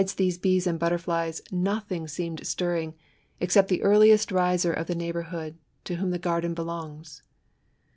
these bees and butterflies, nothing seemed stirring, except the earliest riser of the neighbour hood, po whom the garden belongs.